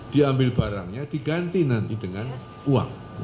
diambil barangnya diganti nanti dengan uang